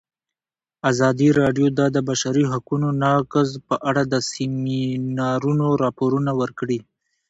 ازادي راډیو د د بشري حقونو نقض په اړه د سیمینارونو راپورونه ورکړي.